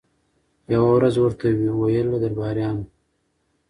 یوه ورځ ورته ویله درباریانو